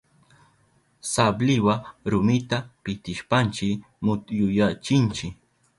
Sabliwa rumita pitishpanchi mutyuyachinchi.